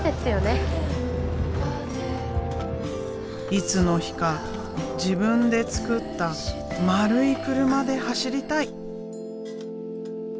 いつの日か自分で作った丸い車で走りたい！